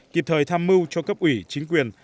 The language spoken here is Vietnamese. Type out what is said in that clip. kịp thời tham mưu cho cấp ủy chính quyền